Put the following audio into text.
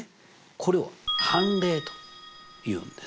これを「反例」というんです。